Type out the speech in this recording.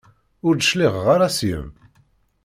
Ur d-cliɛeɣ ara seg-m.